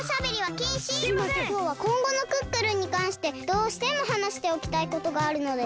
きょうはこんごのクックルンにかんしてどうしてもはなしておきたいことがあるのです。